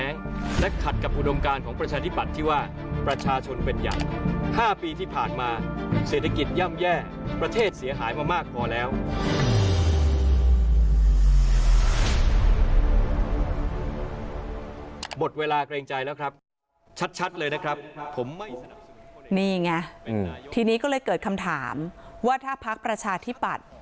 นี่ไงทีนี้ก็เลยเกิดคำถามว่าถ้าพักประชาธิปัตย์